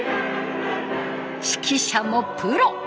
指揮者もプロ。